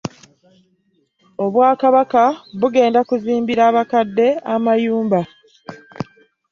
Obawakabaka bugenda kuzimbira abakadde amayumba.